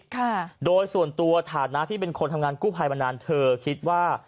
ค่ะโดยส่วนตัวฐานะที่เป็นคนทำงานกู้ภัยมานานเธอคิดว่า